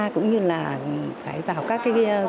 cũng như là phải vào các cái